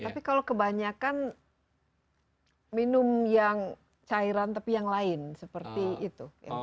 tapi kalau kebanyakan minum yang cairan tapi yang lain seperti itu